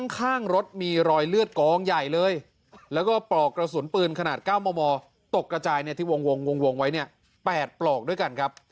ข้างรถมีรอยเลือดกองใหญ่เลยแล้วก็ปลอกกระสุนปืนขนาด๙มมตกกระจายที่วงไว้เนี่ย๘ปลอกด้วยกันครับ